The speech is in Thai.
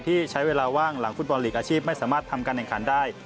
ที่ใช้เวลาว่างหลังฟุตบอลลีกอาชีพไม่สามารถทำการแข่งขันได้